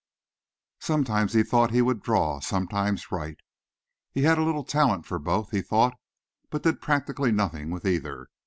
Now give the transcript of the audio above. Sometimes he thought he would draw; sometimes write. He had a little talent for both, he thought, but did practically nothing with either.